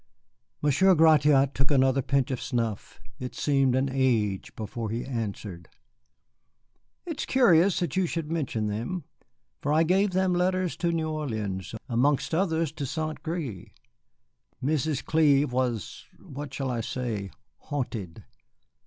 Monsieur Gratiot took another pinch of snuff. It seemed an age before he answered: "It is curious that you should mention them, for I gave them letters to New Orleans, amongst others, to Saint Gré. Mrs. Clive was what shall I say? haunted.